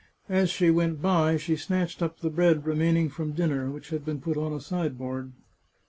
As she went by she snatched up the bread remaining from dinner, which had been put on a sideboard.